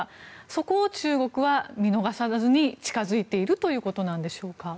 そこを中国は見逃さずに近付いているということでしょうか？